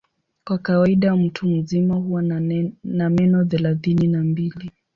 Kwa kawaida mtu mzima huwa na meno thelathini na mbili.